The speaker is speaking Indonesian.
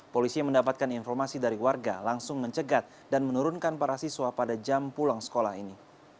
polisi mendapatkan informasi dari warga langsung mencegat dan menurunkan para siswa pada jam pulang sekolah ini